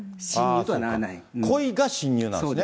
そうか、故意が侵入なんですね。